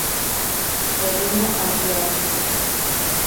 Medina al piano.